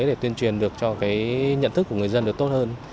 để tuyên truyền được cho cái nhận thức của người dân được tốt hơn